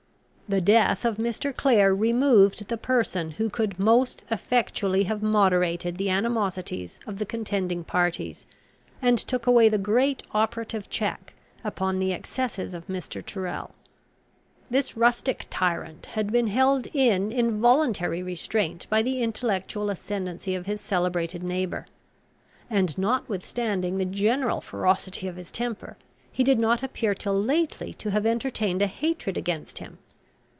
The death of Mr. Clare removed the person who could most effectually have moderated the animosities of the contending parties, and took away the great operative check upon the excesses of Mr. Tyrrel. This rustic tyrant had been held in involuntary restraint by the intellectual ascendancy of his celebrated neighbour: and, notwithstanding the general ferocity of his temper, he did not appear till lately to have entertained a hatred against him.